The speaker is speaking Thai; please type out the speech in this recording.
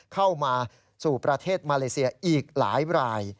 เข้ามาสู่ประเทศมาเลเซียอีกหลายราย